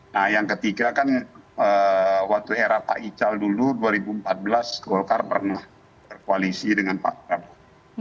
nah yang ketiga kan waktu era pak ical dulu dua ribu empat belas golkar pernah berkoalisi dengan pak prabowo